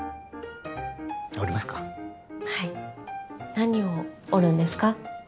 何を折るんですか？